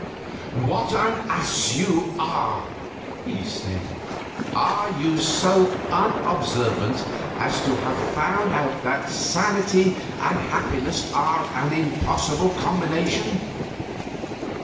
"What an ass you are!" he said. "Are you so unobservant as not to have found out that sanity and happiness are an impossible combination?